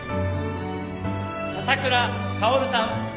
笹倉薫さん。